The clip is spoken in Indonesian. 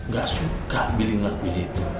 gak suka bili ngakui itu